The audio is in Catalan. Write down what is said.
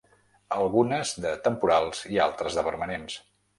Algunes de temporals i altres de permanents.